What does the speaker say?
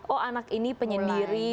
oh anak ini penyendiri